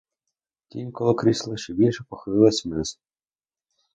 Тінь коло крісла ще більше похилилася вниз.